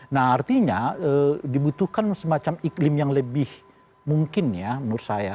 nah artinya dibutuhkan semacam iklim yang lebih mungkin ya menurut saya